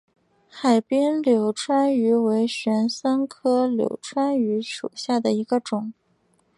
海滨柳穿鱼为玄参科柳穿鱼属下的一个种。